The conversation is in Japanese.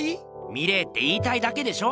「見れ」って言いたいだけでしょ？